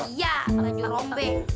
iya baju rombeng